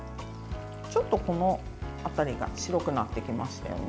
ちょっとこの辺りが白くなってきましたよね。